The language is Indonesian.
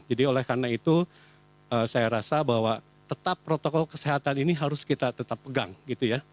jadi oleh karena itu saya rasa bahwa tetap protokol kesehatan ini harus kita tetap pegang gitu ya